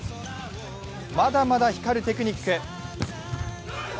まだまだ光るテクニック。